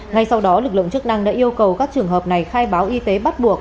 ngay sau đó lực lượng chức năng đã yêu cầu các trường hợp này khai báo y tế bắt buộc